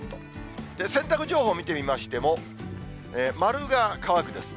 洗濯情報を見てみましても、丸が乾くです。